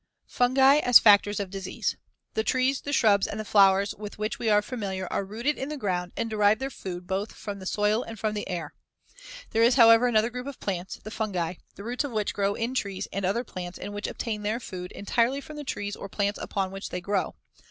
[Illustration: FIG. 108. A Bracket Fungus (Elfvingia megaloma) on a Tulip Tree.] Fungi as factors of disease: The trees, the shrubs and the flowers with which we are familiar are rooted in the ground and derive their food both from the soil and from the air. There is, however, another group of plants, the fungi, the roots of which grow in trees and other plants and which obtain their food entirely from the trees or plants upon which they grow.